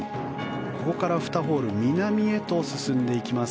ここから２ホール南へと進んでいきます。